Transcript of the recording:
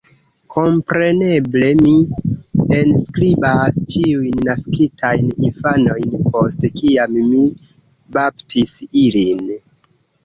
Kompreneble mi enskribas ĉiujn naskitajn infanojn, post kiam mi baptis ilin.